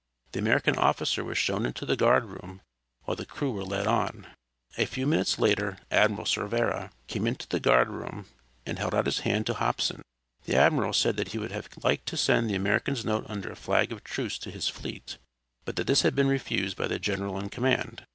The American officer was shown into the guard room, while the crew were led on. A few minutes later Admiral Cervera came into the guard room, and held out his hand to Hobson. The admiral said that he would have liked to send the American's note under a flag of truce to his fleet, but that this had been refused by the general in command.